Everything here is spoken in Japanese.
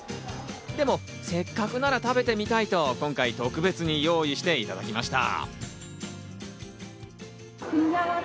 でもせっかくなら食べてみたいと今回、特別に用意していただきました。